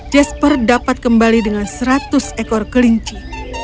jasper dapat kembali dengan seratus ekor kelinci